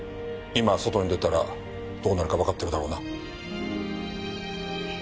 今外に出たらどうなるかわかってるだろうな？